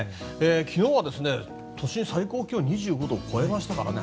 昨日は、都心の最高気温２５度を超えましたからね。